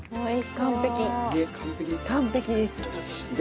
完璧ですか？